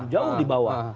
jauh di bawah